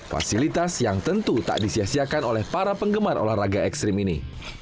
fasilitas yang tentu tak disiasiakan oleh para penggemar olahraga ekstrim ini